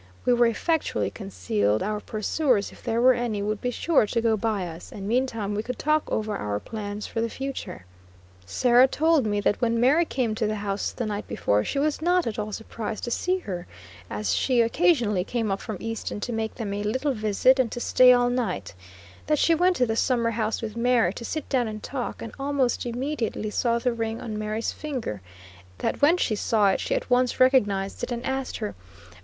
We were effectually concealed; our pursuers, if there were any, would be sure to go by us, and meantime we could talk over our plans for the future. Sarah told me that when Mary came to the house the night before, she was not at all surprised to see her, as she occasionally came up from Easton to make them a little visit, and to stay all night; that she went to the summer house with Mary to sit down and talk, and almost immediately saw the ring on Mary's finger; that when she saw it she at once recognized it, and asked her: "O!